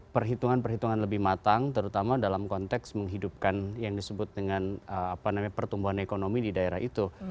perhitungan perhitungan lebih matang terutama dalam konteks menghidupkan yang disebut dengan pertumbuhan ekonomi di daerah itu